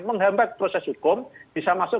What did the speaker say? menghambat proses hukum bisa masuk